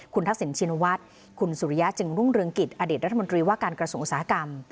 คุณทักษิณชินวัฒน์คุณสุริยะจึงรุ่งเรืองกิจอดีตรัฐมนตรีว่าการกระทรวงอุตสาหกรรม